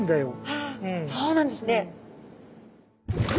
ああそうなんですね。